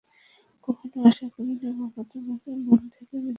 কখনো আাশা করিনি বাবা তোমাকে মন থেকে মেনে নিবে।